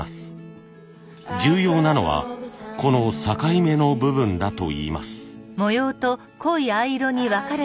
重要なのはこの境目の部分だといいます。